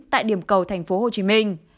tại điểm cầu tp hcm